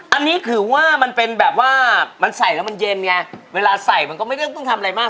อันนี้ถือว่ามันเป็นแบบว่ามันใส่แล้วมันเย็นไงเวลาใส่มันก็ไม่ได้ต้องทำอะไรมาก